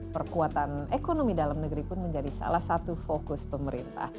perkuatan ekonomi dalam negeri pun menjadi salah satu fokus pemerintah